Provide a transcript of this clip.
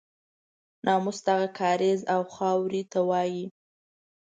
ناموس دغه کاریز او خاورې ته وایي.